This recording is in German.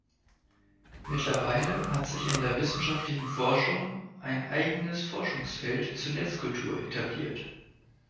Mittlerweile hat sich in der wissenschaftlichen Forschung ein eigenes Forschungsfeld zur Netzkultur etabliert.